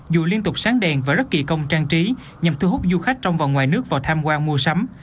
dù liên tục sáng đèn và rất kỳ công trang trí nhằm thu hút du khách trong và ngoài nước vào tham quan mua sắm